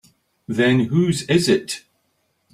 Then whose is it?